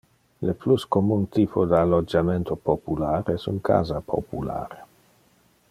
Le plus commun typo de allogiamento popular es un casa popular.